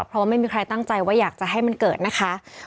เพราะว่าไม่มีใครตั้งใจว่าอยากจะให้มันเกิดนะคะ